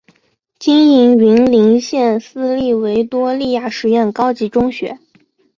经营云林县私立维多利亚实验高级中学。